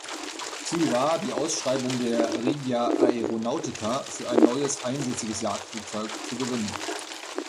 Ziel war, die Ausschreibung der Regia Aeronautica für ein neues einsitziges Jagdflugzeug zu gewinnen.